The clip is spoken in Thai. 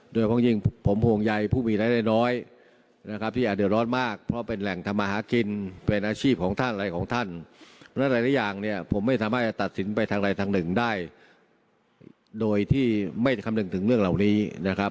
โดยที่ไม่คำนึงถึงเรื่องเหล่านี้นะครับ